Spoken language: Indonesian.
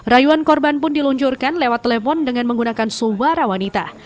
rayuan korban pun diluncurkan lewat telepon dengan menggunakan suara wanita